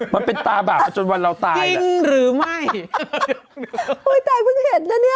มันเป็นตาบาปมาจนวันเราตายหรือไม่อุ้ยตายเพิ่งเห็นนะเนี่ย